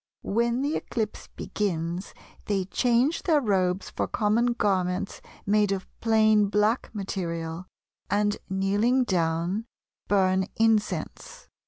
When the eclipse begins they change their robes for common garments made of plain black material, and kneeling down, burn incense.